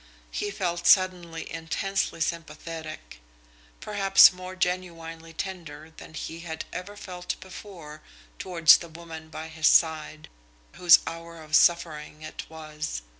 He felt suddenly intensely sympathetic, perhaps more genuinely tender than he had ever felt before towards the woman by his side, whose hour of suffering it was.